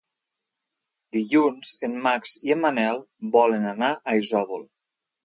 Dilluns en Max i en Manel volen anar a Isòvol.